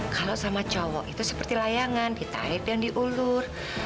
kalau sama cowok itu seperti layangan ditaip yang diulur